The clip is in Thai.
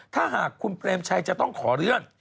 ถ้าหากคุณเปรมชัยจะต้องขอเลื่อน